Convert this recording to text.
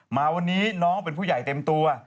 มาวันนี้น้องเป็นผู้ใหญ่เต็มตัว